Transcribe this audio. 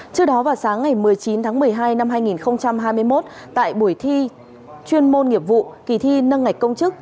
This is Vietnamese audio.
trước đó vào sáng ngày một mươi chín tháng một mươi hai năm hai nghìn hai mươi một tại buổi thi chuyên môn nghiệp vụ kỳ thi nâng ngạch công chức